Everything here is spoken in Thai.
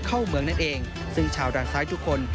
เข้าเมืองนั่นเองซึ่งชาวด่านซ้ายทุกคน